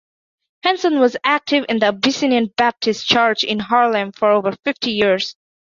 Henson was active at the Abyssinian Baptist Church in Harlem for over fifty years.